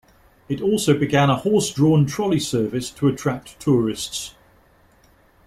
It also began a horse-drawn trolley service to attract tourists.